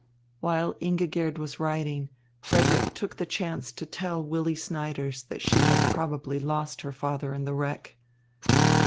While Ingigerd was writing, Frederick took the chance to tell Willy Snyders that she had probably lost her father in the wreck.